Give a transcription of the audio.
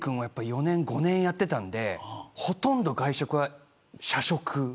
４年、５年やっていたんでほとんど外食は社食。